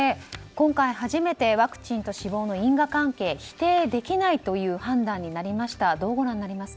今回初めてワクチンと死亡の因果関係、否定できないという判断になりました。